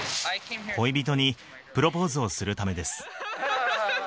恋人にプロポーズをするためです。